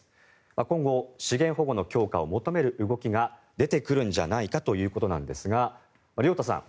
今後、資源保護の強化を求める動きが出てくるんじゃないかということですが亮太さん